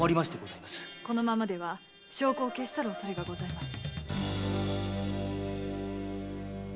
このままでは証拠を消し去る恐れがございます。